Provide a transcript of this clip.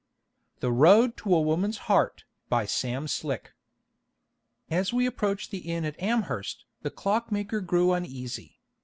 THE ROAD TO A WOMAN'S HEART BY SAM SLICK As we approached the inn at Amherst, the Clockmaker grew uneasy.